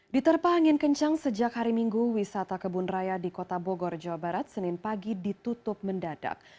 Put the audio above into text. diterpah angin kencang sejak hari minggu wisata kebun raya di kota bogor jawa barat senin pagi ditutup mendadak